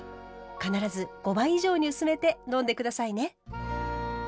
必ず５倍以上に薄めて飲んで下さいね。